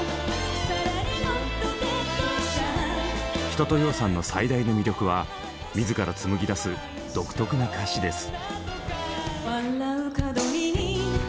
一青窈さんの最大の魅力は自ら紡ぎだす独特な歌詞です。